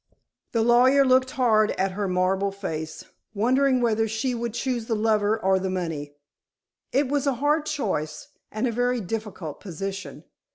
The lawyer looked hard at her marble face, wondering whether she would choose the lover or the money. It was a hard choice, and a very difficult position.